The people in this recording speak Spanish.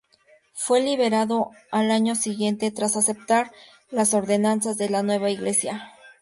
Fue liberado al año siguiente tras aceptar las ordenanzas de la nueva Iglesia.